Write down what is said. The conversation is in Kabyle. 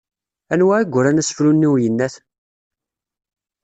Anwa i yuran asefru-nni n uyennat?